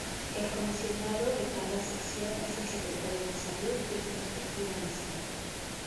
El Comisionado de cada Sección es el Secretario de Salud de su respectiva nación.